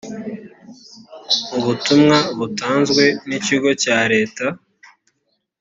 ubutumwa butanzwe n ikigo cya leta